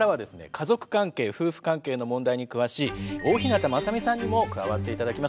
家族関係夫婦関係の問題に詳しい大日向雅美さんにも加わって頂きます。